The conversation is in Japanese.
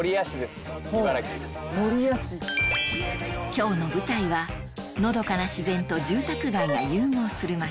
今日の舞台はのどかな自然と住宅街が融合する街